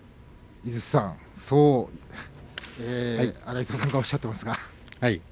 井筒さん荒磯さんがそうおっしゃっていますが。